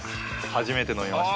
初めて飲みました。